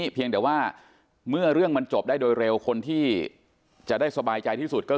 เพียงแต่ว่าเมื่อเรื่องมันจบได้โดยเร็วคนที่จะได้สบายใจที่สุดก็คือ